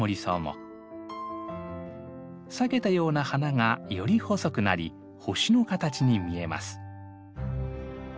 裂けたような花がより細くなり星の形に見えます。